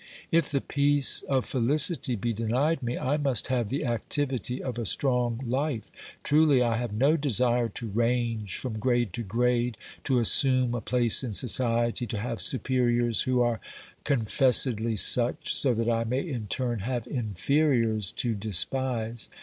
If the peace of felicity be denied me, I must have the activity of a strong life. Truly, I have no desire to range from grade to grade, to assume a place in society, to have superiors, who are confessedly such, so that I may in turn have inferiors to despise.